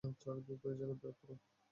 চারু, দ্রুত ওই জায়গা ত্যাগ করো।